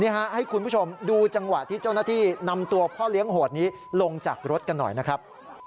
ให้คุณผู้ชมดูจังหวะที่เจ้าหน้าที่นำตัวพ่อเลี้ยงโหดนี้ลงจากรถกันหน่อยนะครับ